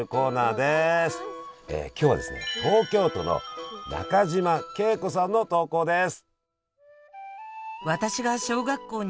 今日はですね東京都の中島桂子さんの投稿です。